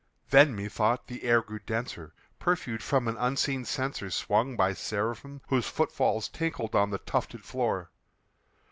Then, methought, the air grew denser, perfumed from an unseen censer Swung by Seraphim whose foot falls tinkled on the tufted floor.